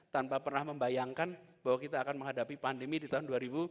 tanpa pernah membayangkan bahwa kita akan menghadapi pandemi di tahun dua ribu dua puluh